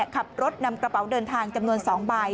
ขับรถนำกระเป๋าเดินทางจำนวน๒ใบ